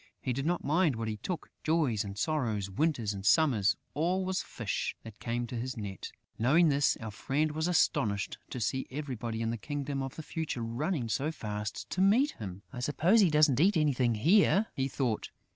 He did not mind what he took: joys and sorrows, winters and summers, all was fish that came to his net!... Knowing this, our friend was astonished to see everybody in the Kingdom of the Future running so fast to meet him: "I suppose he doesn't eat anything here," he thought.